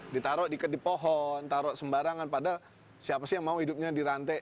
ditaruh diikat di pohon taruh sembarangan pada siapa sih yang mau hidupnya dirantai